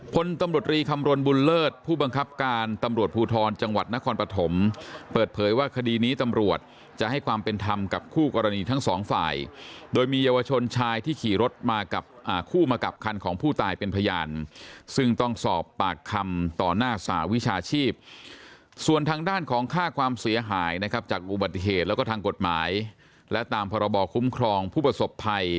พลตำรวจรีคำรณบุญเลิศผู้บังคับการตำรวจภูทรจังหวัดนครปฐมเปิดเผยว่าคดีนี้ตำรวจจะให้ความเป็นธรรมกับคู่กรณีทั้งสองฝ่ายโดยมีเยาวชนชายที่ขี่รถมากับคู่มากับคันของผู้ตายเป็นพยานซึ่งต้องสอบปากคำต่อหน้าสหวิชาชีพส่วนทางด้านของค่าความเสียหายนะครับจากอุบัติเหตุแล้วก็ทางกฎหมายและตามพรบคุ้มครองผู้ประสบภัย